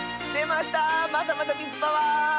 またまたみずパワー！